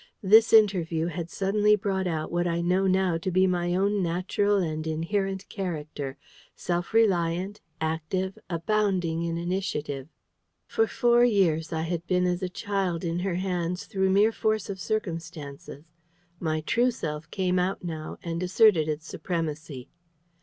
This interview had suddenly brought out what I know now to be my own natural and inherent character self reliant, active, abounding in initiative. For four years I had been as a child in her hands, through mere force of circumstances. My true self came out now and asserted its supremacy.